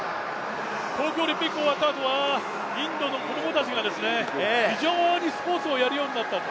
東京オリンピックが終わったあとは、インドの子供たちが非常にスポーツをやるようになったと。